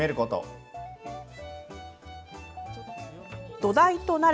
土台となる